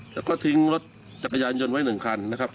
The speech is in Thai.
แล้วก็ทิ้งละครับ